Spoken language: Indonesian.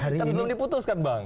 kan belum diputus kan bang